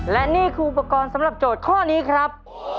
และนี่คืออุปกรณ์สำหรับโจทย์ข้อนี้ครับ